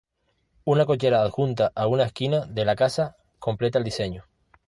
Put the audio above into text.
Una cochera adjunta a una esquina de la casa completa el diseño.